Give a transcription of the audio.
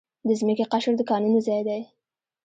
د ځمکې قشر د کانونو ځای دی.